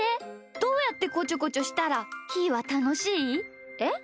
どうやってこちょこちょしたらひーはたのしい？えっ？